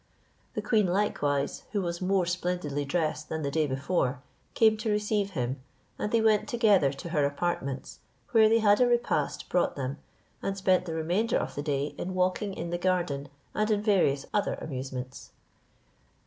The queen likewise, who was more splendidly dressed than the day before, came to receive him, and they went together to her apartments, where they had a repast brought them, and spent the remainder of the day in walking in the garden and in various other amusements.